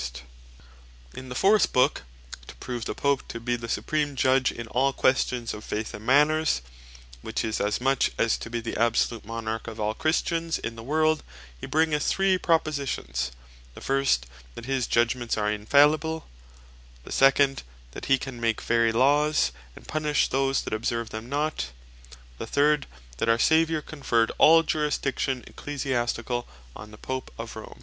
The Fourth Book In the fourth Book, to prove the Pope to be the supreme Judg in all questions of Faith and Manners, (which is as much as to be the absolute Monarch of all Christians in the world,) be bringeth three Propositions: The first, that his Judgments are Infallible: The second, that he can make very Laws, and punish those that observe them not: The third, that our Saviour conferred all Jurisdiction Ecclesiasticall on the Pope of Rome.